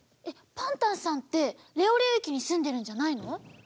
えっパンタンさんってレオレオ駅にすんでるんじゃないの？